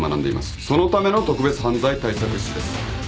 そのための特別犯罪対策室です。